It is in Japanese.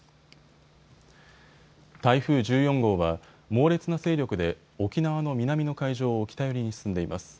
台風１４号は猛烈な勢力で沖縄の南の海上を北寄りに進んでいます。